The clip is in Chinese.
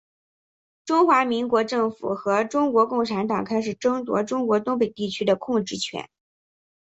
中华民国政府和中国共产党开始争夺中国东北地区的控制权。